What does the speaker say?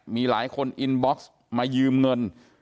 มีหลายคนอินบ็อกซ์มายืมเงิน